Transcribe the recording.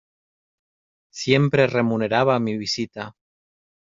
Siempre remuneraba mi visita.